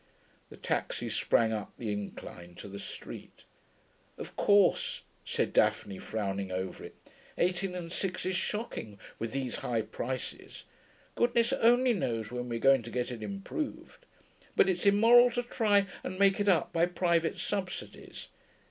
The taxi sprang up the incline to the street. 'Of course,' said Daphne, frowning over it, 'eighteen and six is shocking, with these high prices. Goodness only knows when we're going to get it improved. But it's immoral to try and make it up by private subsidies....